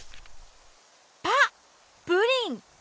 ぱっプリン！